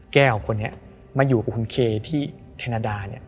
แก้วคนนี้มาอยู่กับคุณเคที่แคนาดาเนี่ย